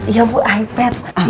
iya bu ipad